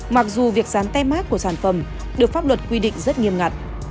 mặc dù việc dán tem mát của sản phẩm được pháp luật quy định rất nghiêm ngặt